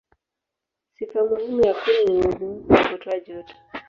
Sifa muhimu ya kuni ni uwezo wake wa kutoa joto.